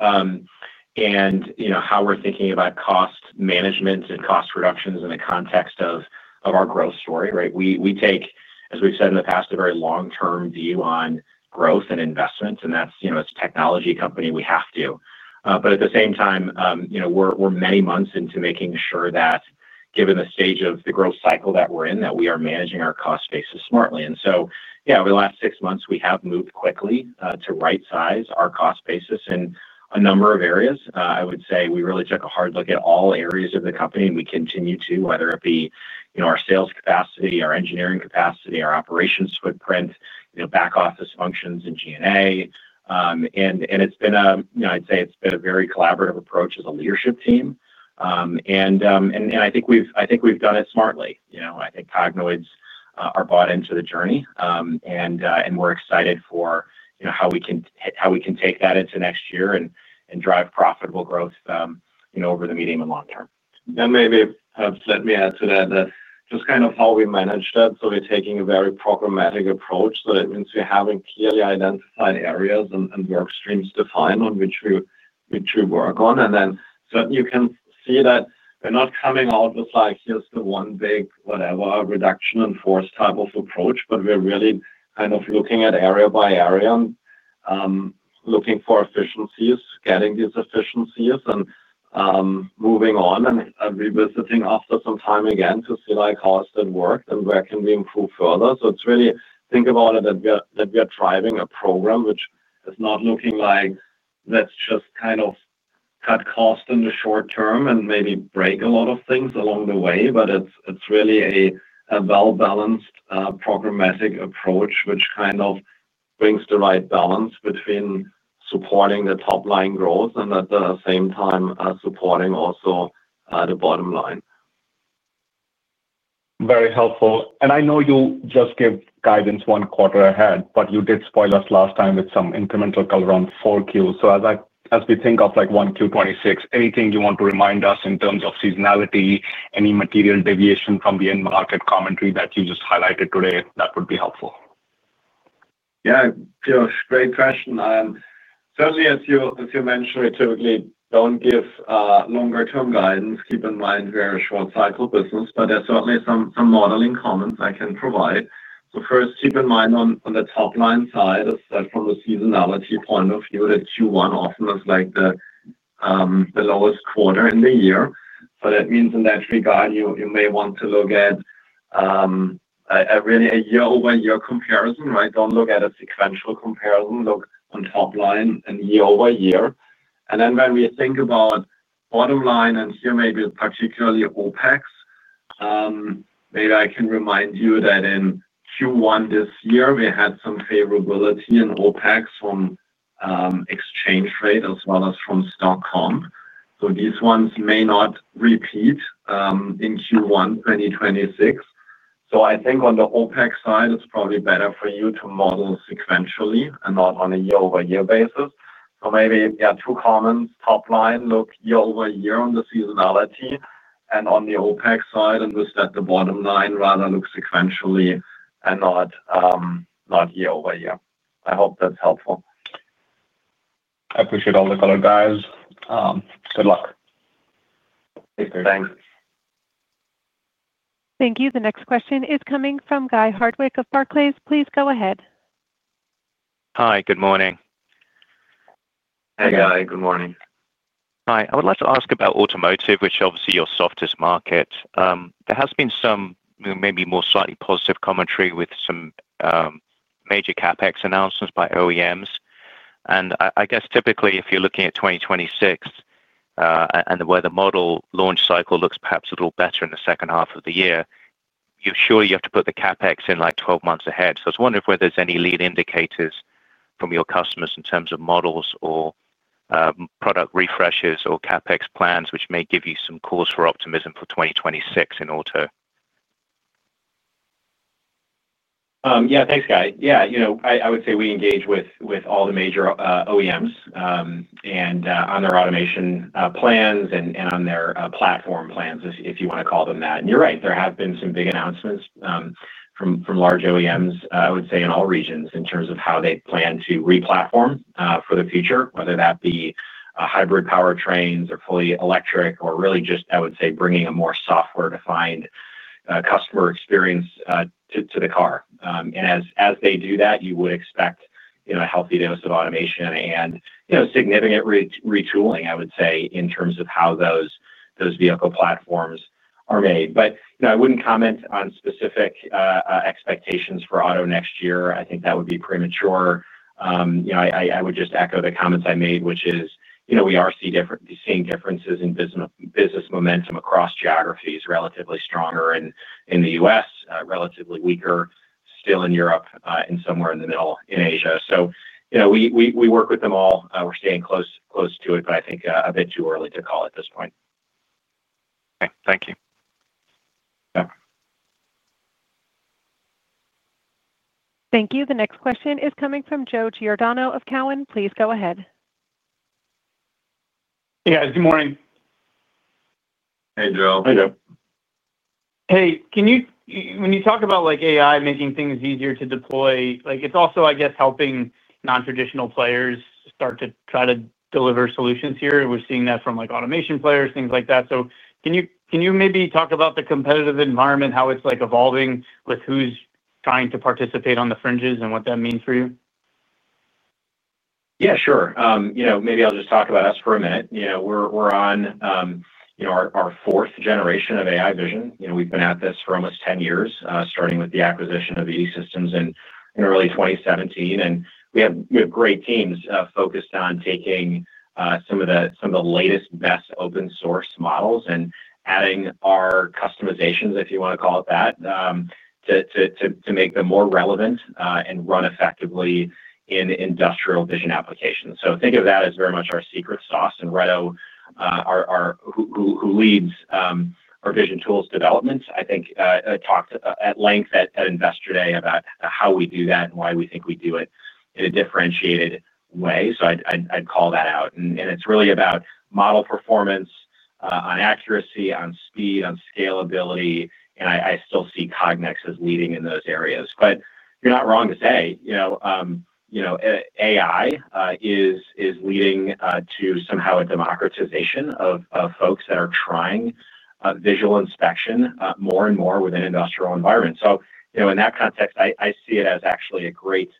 and how we're thinking about cost management and cost reductions in the context of our growth story. We take, as we've said in the past, a very long-term view on growth and investment. As a technology company we have to. At the same time, we're many months into making sure that given the stage of the growth cycle that we're in, we are managing our cost basis smartly. Over the last six months we have moved quickly to right-size our cost basis in a number of areas. I would say we really took a hard look at all areas of the company and we continue to, whether it be our sales capacity, our engineering capacity, our operations footprint, back office functions and G&A. It's been a very collaborative approach as a leadership team. I think we've done it smartly. I think Cognex employees are bought into the journey and we're excited for how we can take that into next year and drive profitable growth over the medium and long term. Let me add to that just kind of how we manage that. We're taking a very programmatic approach. It means we have clearly identified areas and work streams defined on which we work. You can see that not coming out with like here's the one big whatever reduction in force type of approach. We're really kind of looking at area by area and looking for efficiencies, getting these efficiencies and moving on and revisiting after some time again to see how is that work and where can we improve further. Think about it that we are driving a program which is not looking like that's just kind of cut cost in the short term and maybe break a lot of things along the way. It's really a well-balanced programmatic approach which brings the right balance between supporting the top line growth and at the same time supporting also the bottom line. Very helpful. I know you just give guidance one quarter ahead, but you did spoil us last time with some incremental color on 4Q. As I said, as we think of like 1Q26, anything you want to remind us in terms of seasonality, any material deviation from the end market commentary that you just highlighted today, that would be helpful. Yeah, great question. Certainly as you mentioned, we typically don't give longer term guidance. Keep in mind we're a short cycle business, but there's certainly some modeling comments I can provide. First, keep in mind on the top line side as well that from a seasonality point of view, Q1 often is the lowest quarter in the year. That means in that regard you may want to look at really a year-over-year comparison. Right. Don't look at a sequential comparison, look on top line and year-over-year. When we think about bottom line and here maybe particularly OpEx, maybe I can remind you that in Q1 this year we had some favorability in OpEx from exchange rate as well as from Stockholm. These ones may not repeat in Q1 2026. I think on the OpEx side it's probably better for you to model sequentially and not on a year-over-year basis. Maybe two comments: top line, look year-over-year on the seasonality, and on the OpEx side. With that, the bottom line rather looks sequentially and not year-over-year. I hope that's helpful. I appreciate all the color, guys. Good luck. Thanks. Thank you. The next question is coming from Guy Hardwick of Barclays. Please go ahead. Hi, good morning. Hey, Guy. Good morning. Hi. I would like to ask about automotive, which obviously is your softest market. There has been some, maybe more slightly positive commentary with some major CapEx announcements by OEMs, and I guess typically if you're looking at 2026 and where the model launch cycle looks perhaps a little better in the second half of the year. You surely have to put the CapEx in like 12 months ahead. I was wondering if there's any lead indicators from your customers in terms of models or product refreshes or CapEx plans, which may give you some cause for optimism for 2026 in auto. Yeah, thanks, Guy. Yeah, I would say we engage with all the major OEMs on their automation plans and on their platform plans, if you want to call them that. You're right, there have been some big announcements from large OEMs, I would say in all regions in terms of how they plan to replatform for the future, whether that be hybrid powertrains or fully electric or really just, I would say, bringing a more software-defined customer experience to the car. As they do that, you would expect a healthy dose of automation and significant retooling. I would say in terms of how those vehicle platforms are made, I wouldn't comment on specific expectations for auto next year. I think that would be premature. I would just echo the comments I made, which is we are seeing differences in business momentum across geographies, relatively stronger in the U.S., relatively weaker still in Europe, and somewhere in the middle in Asia. We work with them all. We're staying close to it, but I think it's a bit too early to call at this point. Thank you. Thank you. The next question is coming from Joe Giordano of Cowen. Please, go ahead. Hey guys, good morning. Hey, Joe. Hey, can you, when you talk about like AI making things easier to deploy, it's also, I guess, helping non-traditional players start to try to deliver solutions here. We're seeing that from automation players, things like that. Can you maybe talk about the competitive environment, how it's evolving with who's trying to participate on the fringes and what that means for you? Yeah, sure. Maybe I'll just talk about us for a minute. We're on our fourth generation of AI vision. We've been at this for almost 10 years, starting with the acquisition of systems in early 2017. We have great teams focused on taking some of the latest, best open source models and adding our customizations, if you want to call it that, to make them more relevant and run effectively in industrial vision applications. Think of that as very much our secret sauce, Reto, who leads our vision tools development, talked at length at Investor Day about how we do that and why we think we do it in a differentiated way. I'd call that out. It's really about model performance on accuracy, on speed, on scalability. I still see Cognex as leading in those areas. You're not wrong to say AI is leading to a democratization of folks that are trying visual inspection more and more within industrial environments. In that context, I see it as actually a great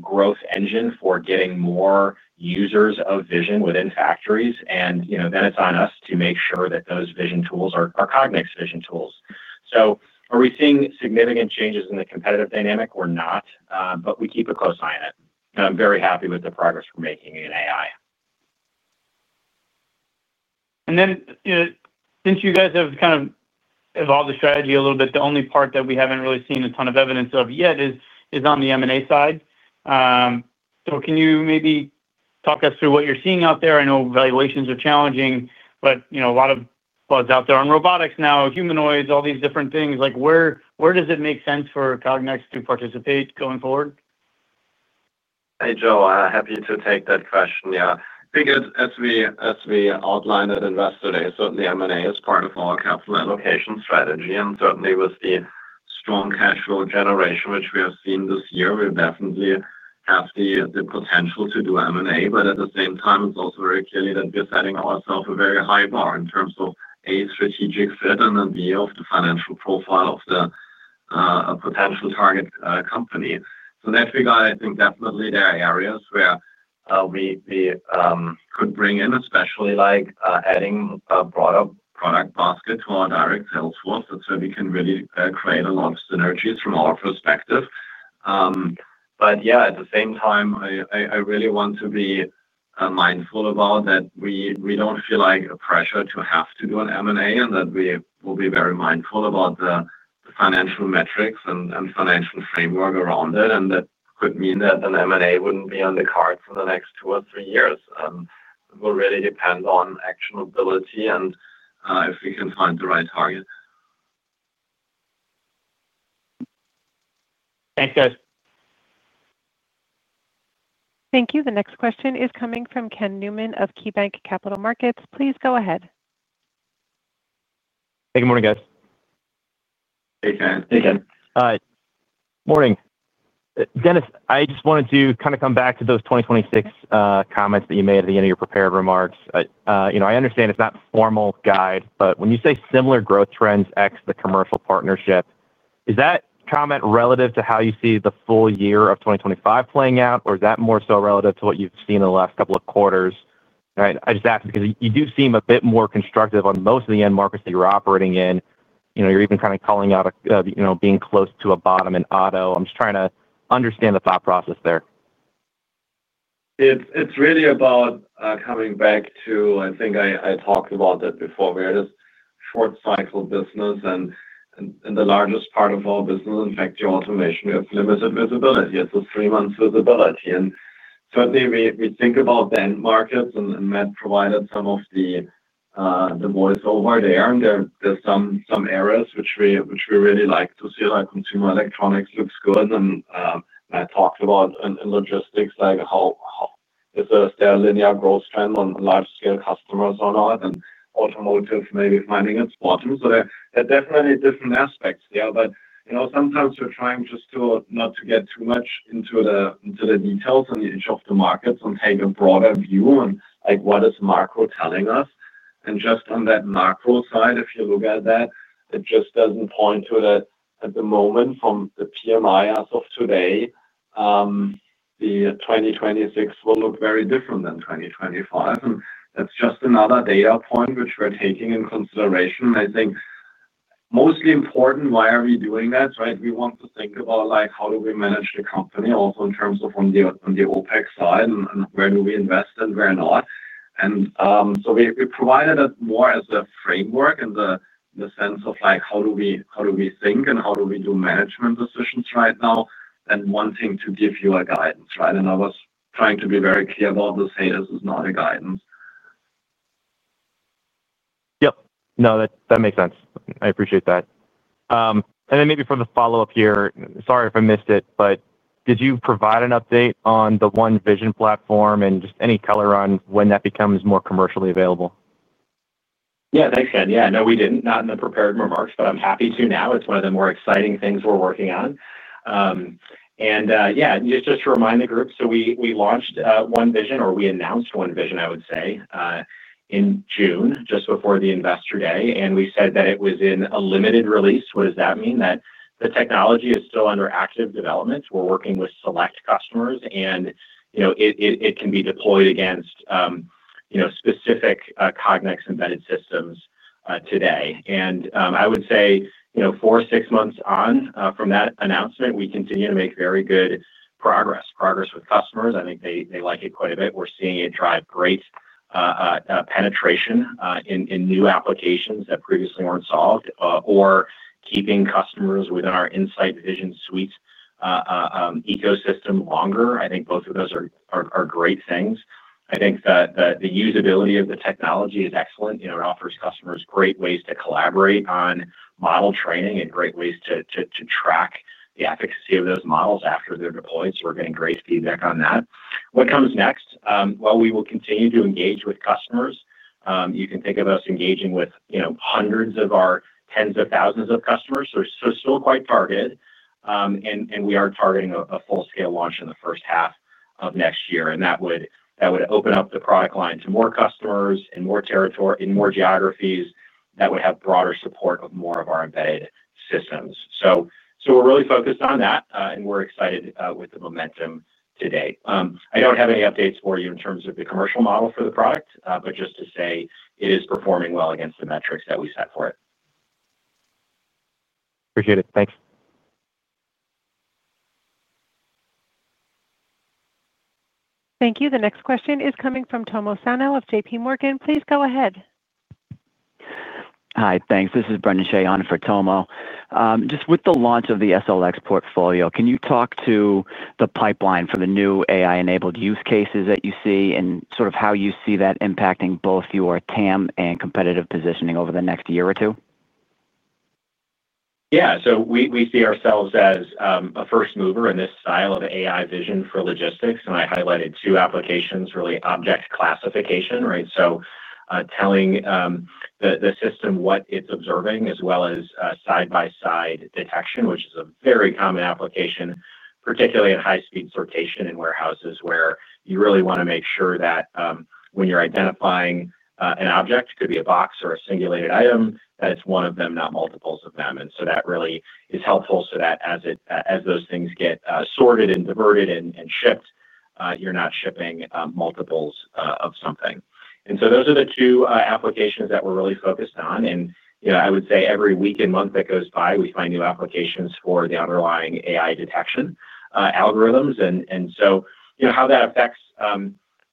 growth engine for getting more users of vision within factories. It's on us to make sure that those vision tools are Cognex vision tools. Are we seeing significant changes in the competitive dynamic or not? We keep a close eye on it. I'm very happy with the progress we're making in AI. Since you guys have kind of evolved the strategy a little bit, the only part that we haven't really seen a ton of evidence of yet is on the M&A side. Can you maybe talk us through what you're seeing out there? I know valuations are challenging, but a lot of buzz out there on robotics, now, humanoids, all these different things. Where does it make sense for Cognex to participate going forward? Hey Joe, happy to take that question. Yeah, I think as we outlined it, Investor Day, certainly M&A is part of our capital allocation strategy and certainly with the strong cash flow generation, which we have seen this year. We definitely have the potential to do M&A. At the same time, it's also very clear that we're setting ourselves a very high bar in terms of a strategic fit and then of the financial profile of the potential target company. I think definitely there are areas where we could bring in, especially like adding a broader product basket to our direct sales force. That's where we can really create a lot of synergies from our perspective. At the same time, I really want to be mindful that we don't feel like a pressure to have to do an M&A and that we will be very mindful about the financial metrics and financial framework around it. That could mean that an M&A wouldn't be on the card for the next two or three years; it will really depend on actionability and if we can find the right target. Thanks guys. Thank you. The next question is coming from Ken Newman of KeyBanc Capital Markets. Please go ahead. Hey, good morning guys. Hey, Ken. Morning, Dennis. I just wanted to kind of come back to those 2026 comments that you made at the end of your prepared remarks. I understand it's not formal guide, but when you say similar growth trends x the commercial partnership, is that comment relative to how you see the full year of 2025 playing out, or is that more so relative to what you've seen in the last couple of quarters? Right. I just asked because you do seem a bit more constructive on most of the end markets that you're operating in. You're even kind of calling out, you know, being close to a bottom in auto. I'm just trying to understand the thought process there. It's really about coming back to, I think I talked about that before. We had a short cycle business and in the largest part of our business, in fact your automation, you have limited visibility at the three months visibility and certainly we think about the end markets. Matt provided some of the voiceover there and there are some areas which we really like to see, like consumer electronics looks good. Matt talked about logistics, like how is there a linear growth trend on large scale customers or not, and automotive maybe finding its bottom. There are definitely different aspects there. Sometimes we're trying just to not get too much into the details on each of the markets and take a broader view on what is macro telling us. Just on that macro side, if you look at that, it just doesn't point to that at the moment. From the PMI, as of today, the 2026 will look very different than 2025. That's just another data point which we're taking in consideration. I think mostly important, why are we doing that? Right. We want to think about how do we manage the company also in terms of on the OpEx side and where do we invest and where not. We provided it more as a framework in the sense of how do we think and how do we do management decisions right now and wanting to give you a guidance. I was trying to be very clear about this. Hey, this is not a guidance. Yep. That makes sense. I appreciate that. Maybe for the follow-up here, sorry if I missed it, but did you provide an update on the One Vision platform and any color on when that becomes more commercially available? Yeah, thanks, Ken. Yeah, no, we didn't. Not in the prepared remarks, but I'm happy to now. It's one of the more exciting things we're working on. Just to remind the group, we launched One Vision, or we announced One Vision, I would say in June, just before the investor day, and we said that it was in a limited release. What does that mean? That the technology is still under active development. We're working with select customers, and it can be deployed against specific Cognex embedded systems. Today, and I would say four, six months on from that announcement, we continue to make very good progress with customers. I think they like it quite a bit. We're seeing it drive great penetration in new applications that previously weren't solved or keeping customers within our In-Sight Vision Suite ecosystem longer. I think both of those are great things. I think that the usability of the technology is excellent. It offers customers great ways to collaborate on model training and great ways to track the efficacy of those models after they're deployed. We're getting great feedback on that. What comes next? We will continue to engage with customers. You can think of us engaging with hundreds of our tens of thousands of customers, so still quite targeted. We are targeting a full scale launch in the first half of next year, and that would open up the product line to more customers in more geographies that would have broader support of more of our embedded systems. We're really focused on that, and we're excited with momentum today. I don't have any updates for you in terms of the commercial model for the product, but just to say it is performing well against the metrics that we set for it. Appreciate it, thanks. Thank you. The next question is coming from Tomo Sano of JPMorgan. Please go ahead. Hi, thanks. This is Brendan. She on for Tomo. Just with the launch of the SLX portfolio, can you talk to the pipeline for the new AI enabled use cases that you see and sort of how you see that impacting both your TAM and competitive positioning over the next year or two? Yeah, we see ourselves as a first mover in this style of AI vision for logistics. I highlighted two applications: really object classification, right, so telling the system what it's observing, as well as side-by-side detection, which is a very common application, particularly in high speed sortation and warehouses where you really want to make sure that when you're identifying an object, could be a box or a singulated item, that it's one of them, not multiples of them. That really is helpful so that as those things get sorted and diverted and shipped, you're not shipping multiples of something. Those are the two applications that we're really focused on. I would say every week and month that goes by, we find new applications for the underlying AI detection algorithms. How that affects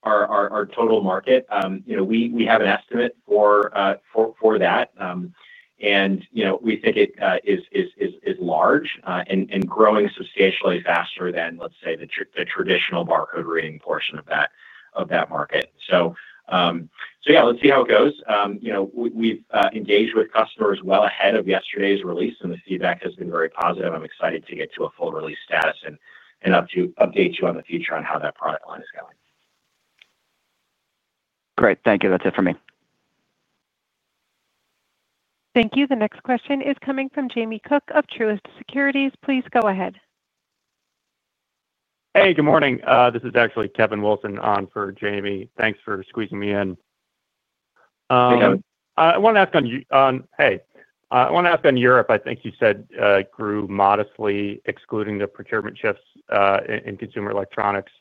our total market, we have an estimate for that and we think it is large and growing substantially faster than, let's say, the traditional barcode reading portion of that market. Let's see how it goes. We've engaged with customers well ahead of yesterday's release and the feedback has been very positive. I'm excited to get to a full release status and update you in the future on how that product line is going. Great, thank you. That's it for me. Thank you. The next question is coming from Jamie Cook of Truist Securities. Please go ahead. Hey, good morning. This is actually Kevin Wilson on for Jamie. Thanks for squeezing me in. I want to ask on you. Hey, I want to ask on Europe. I think you said grew modestly excluding the procurement shifts in consumer electronics.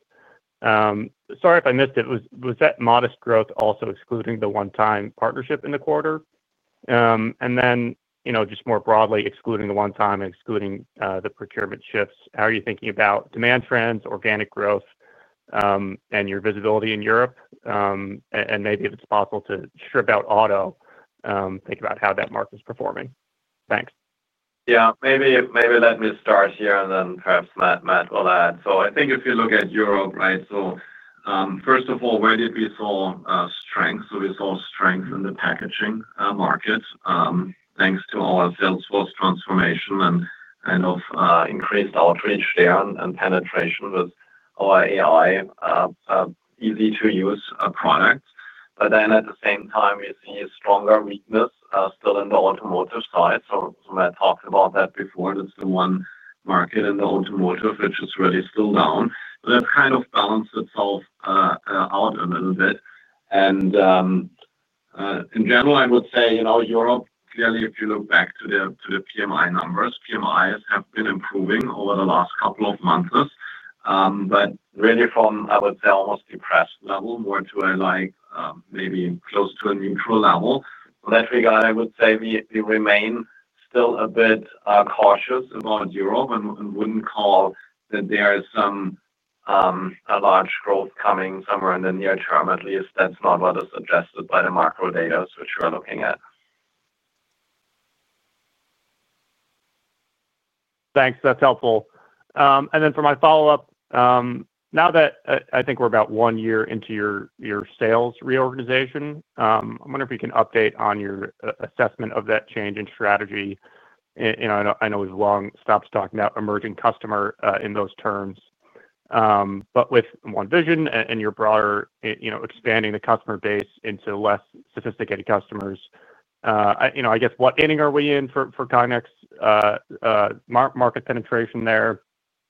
Sorry if I missed it. Was that modest growth also excluding the one-time partnership in the quarter? Then, just more broadly, excluding the one-time, excluding the procurement shifts, how are you thinking about demand trends, organic growth, and your visibility in Europe? Maybe if it's possible to strip out auto, think about how that market is performing. Thanks. Yeah, maybe. Let me start here and then perhaps Matt will add. I think if you look at Europe, right, first of all, where did we see strength? We saw strength in the packaging market thanks to our salesforce transformation and kind of increased outreach there and penetration with our AI easy to use products. At the same time, we see a stronger weakness still in the automotive side. I talked about that before this. The one market in automotive which has really slowed down kind of balanced itself out a little bit. In general, I would say, you know, Europe, clearly if you look back to the PMI numbers, PMI have been improving over the last couple of months, but really from, I would say, almost depressed level more to maybe close to a neutral level that we got. I would say we remain still a bit cautious about Europe and wouldn't call that there is some large growth coming somewhere in the near term. At least that's not what is suggested by the macro data which we're looking at. Thanks, that's helpful. For my follow up, now that I think we're about one year into your sales reorganization, I wonder if you can update on your assessment of that change in strategy. I know we've long stopped talking about emerging customer in those terms, but with one vision and your broader, you know, expanding the customer base into less sophisticated customers, I guess what inning are we in for Cognex market penetration there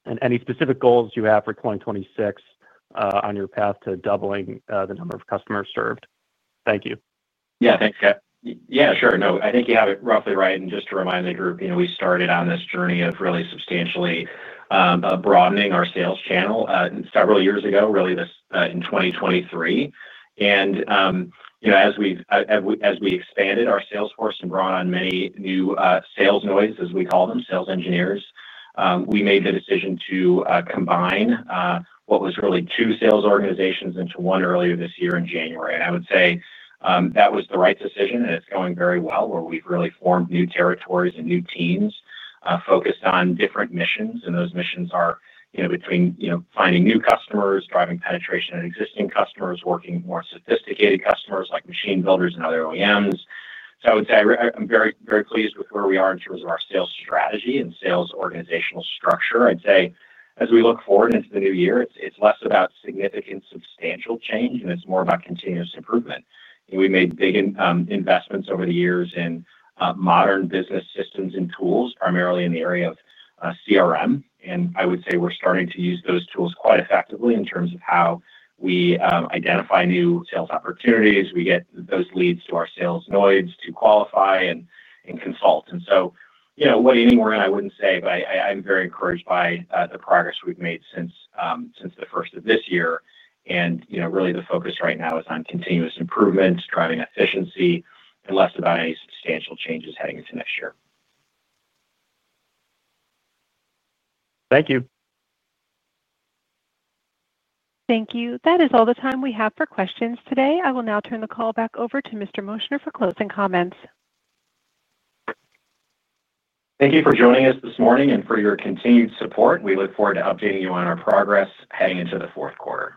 and any specific goals you have for 2026 on your path to doubling the number of customers served. Thank you. Yeah, thanks, Kevin. Yeah, sure. No, I think you have it roughly right. Just to remind the group, we started on this journey of really substantially broadening our sales channel several years ago, really this in 2023. As we expanded our sales force and brought on many new sales, as we call them, sales engineers, we made the decision to combine what was really two sales organizations into one earlier this year in January. I would say that was the right decision, and it's going very well, where we've really formed new territories and new teams focused on different missions. Those missions are between finding new customers, driving penetration at existing customers, working more sophisticated customers like machine builders and other OEMs. I'm very, very pleased with where we are in terms of our sales strategy and sales organizational structure. As we look forward into the new year, it's less about significant substantial change and it's more about continuous improvement. We made big investments over the years in modern business systems and tools, primarily in the area of CRM. I would say we're starting to use those tools quite effectively in terms of how we identify new sales opportunities. We get those leads to our sales to qualify and consult. I'm very encouraged by the progress we've made since the first of this year. The focus right now is on continuous improvement, driving efficiency and less about any substantial changes heading into next year. Thank you. Thank you. That is all the time we have for questions today. I will now turn the call back over to Mr. Moschner for closing comments. Thank you for joining us this morning and for your continued support. We look forward to updating you on our progress heading into the fourth quarter.